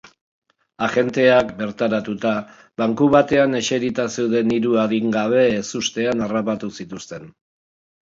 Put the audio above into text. Agenteak bertaratuta, banku batean eserita zeuden hiru adingabe ezustean harrapatu zituzten.